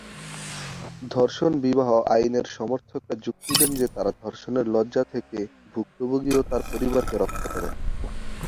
ধর্ষণ-বিবাহ আইনের সমর্থকরা যুক্তি দেন যে তারা ধর্ষণের লজ্জা থেকে ভুক্তভোগী ও তার পরিবারকে রক্ষা করেন।